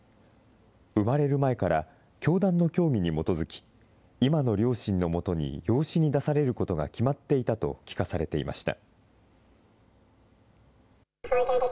生まれる前から教団の教義に基づき、今の両親のもとに養子に出されることが決まっていたと聞かされていました。